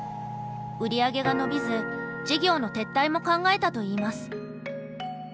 売り上げが伸びず事業の撤退も考えたと言います。